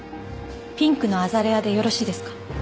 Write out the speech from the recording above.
ピンクのアザレアでよろしいですか？